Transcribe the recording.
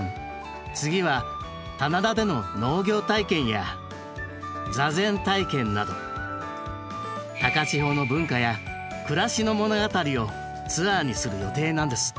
次は棚田での農業体験や座禅体験など高千穂の文化や暮らしの物語をツアーにする予定なんですって。